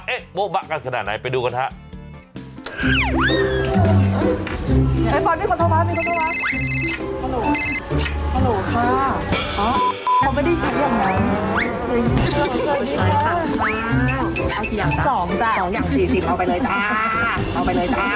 เอ๊ะบ๊บบกันขนาดไหนไปดูกันครับ